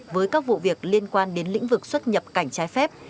với các vụ việc liên quan đến lĩnh vực xuất nhập cảnh trái phép